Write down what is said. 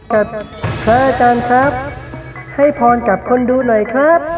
กับพระอาจารย์ครับให้พรกับคนดูหน่อยครับ